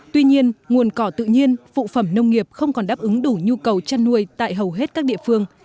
tuy nhiên nguồn cỏ tự nhiên phụ phẩm nông nghiệp không còn đáp ứng đủ nhu cầu chăn nuôi tại hầu hết các địa phương